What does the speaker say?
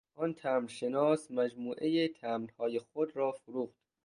آن تمبر شناس مجموعهی تمبرهای خود را فروخت.